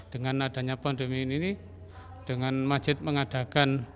dengan adanya pandemi ini dengan masjid mengadakan